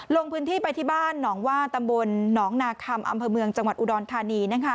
ลงพื้นที่ไปที่บ้านหนองว่าตำบลหนองนาคำอำเภอเมืองจังหวัดอุดรธานี